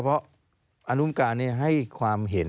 เพราะอนุมการให้ความเห็น